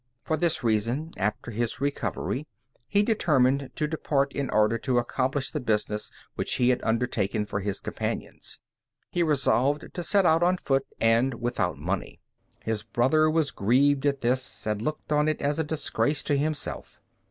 For this reason, after his recovery, he determined to depart in order to accomplish the business which he had undertaken for his companions. He resolved to set out on foot and without money. His brother was grieved at this, and looked on it as a disgrace to himself.